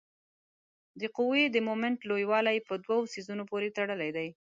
د قوې د مومنټ لویوالی په دوو څیزونو پورې تړلی دی.